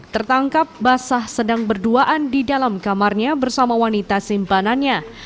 tertangkap basah sedang berduaan di dalam kamarnya bersama wanita simpanannya